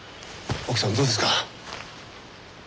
奥さんどうですか？